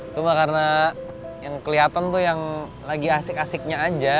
cuma karena yang kelihatan tuh yang lagi asik asiknya aja